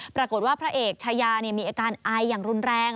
ปรากฏว่าพระเอกชายามีอาการไออย่างรุนแรง